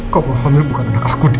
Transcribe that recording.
kau mau hamil bukan anak aku din